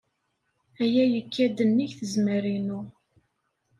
Aya yekka-d nnig tzemmar-inu.